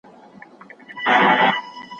عبادت بې نیت ارزښت نه لري